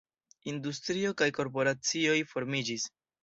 Industrio kaj korporacioj formiĝis.